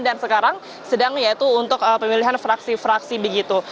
dan sekarang sedang yaitu untuk pemilihan fraksi fraksi begitu